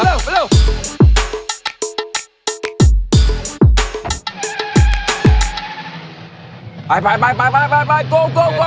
ไปเร็ว